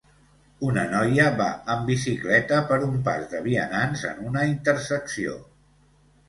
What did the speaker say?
Una noia va amb bicicleta per un pas de vianants en una intersecció,